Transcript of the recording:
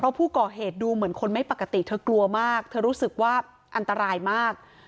เพราะผู้ก่อเหตุดูเหมือนคนไม่ปกติเธอกลัวมากเธอรู้สึกว่าอันตรายมาก